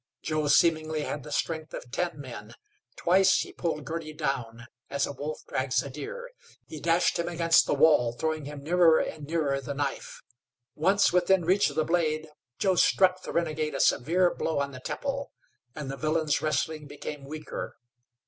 Joe seemingly had the strength of ten men. Twice he pulled Girty down as a wolf drags a deer. He dashed him against the wall, throwing him nearing and nearer the knife. Once within reach of the blade Joe struck the renegade a severe blow on the temple and the villain's wrestling became weaker.